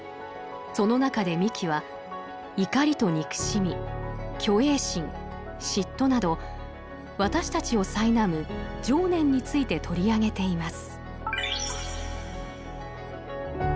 その中で三木は怒りと憎しみ虚栄心嫉妬など私たちをさいなむ情念について取り上げています。